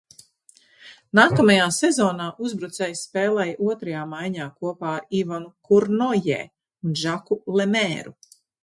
Nākamajā sezonā uzbrucējs spēlēja otrajā maiņā kopā ar Ivanu Kurnojē un Žaku Lemēru.